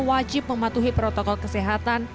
wajib mematuhi protokol kesehatan